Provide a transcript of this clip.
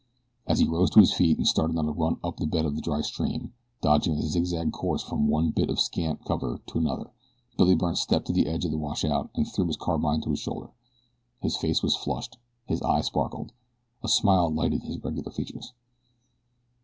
As he rose to his feet and started on a run up the bed of the dry stream, dodging a zigzag course from one bit of scant cover to another Billy Byrne stepped to the edge of the washout and threw his carbine to his shoulder. His face was flushed, his eyes sparkled, a smile lighted his regular features.